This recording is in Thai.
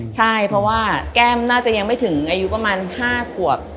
ใช่เพราะว่าแก้มน่าจะยังไม่ถึงอายุประมาณ๕ขวบ